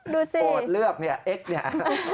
ดูสิโกรธเลือกเนี่ยเอ็กซ์เนี่ย